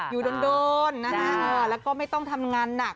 อยู่โดนนะฮะแล้วก็ไม่ต้องทำงานหนัก